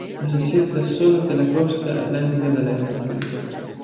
Hasta ciertas zonas de la costa atlántica de la Argentina.